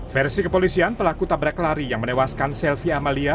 versi kepolisian pelaku tabrak lari yang menewaskan selvi amalia